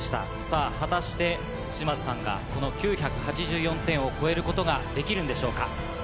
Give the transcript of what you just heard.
果たして島津さんがこの９８４点を超えることができるんでしょうか？